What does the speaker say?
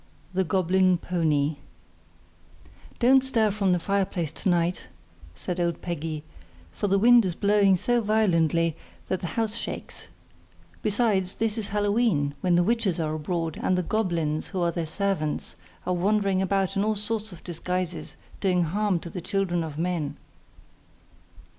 ] The Goblin Pony 'Don't stir from the fireplace to night,' said old Peggy, 'for the wind is blowing so violently that the house shakes; besides, this is Hallow e'en, when the witches are abroad, and the goblins, who are their servants, are wandering about in all sorts of disguises, doing harm to the children of men.